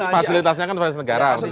fasilitasnya kan fasilitas negara